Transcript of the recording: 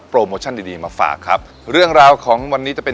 โมชั่นดีดีมาฝากครับเรื่องราวของวันนี้จะเป็น